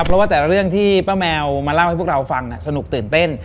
เพราะว่าแต่ละเรื่องที่ป้าแมวมาเล่าให้พวกเราฟังสนุกตื่นเต้น